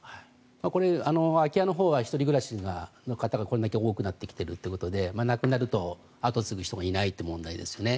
これ、空き家のほうは１人暮らしの方がこれだけ多くなってきているということで亡くなると後を継ぐ人がいないという問題ですよね。